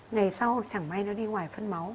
ngày sau chẳng may nó đi ngoài phân máu